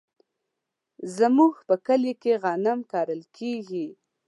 زمونږ په کلي کې غنم کرل کیږي.